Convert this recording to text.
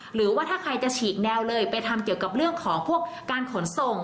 หรือว่าถ้าใครจะฉีกแนวเลยไปทำเกี่ยวกับเรื่องของพวกการขนส่ง